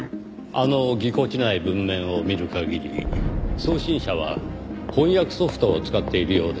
あのぎこちない文面を見る限り送信者は翻訳ソフトを使っているようですねぇ。